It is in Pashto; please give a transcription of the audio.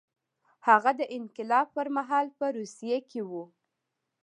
هغه د انقلاب پر مهال په روسیه کې و.